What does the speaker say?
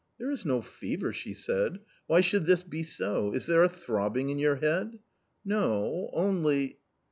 "There is no fever," she said. "Why should this be so ? Is there a throbbing in your head ?" "No .... only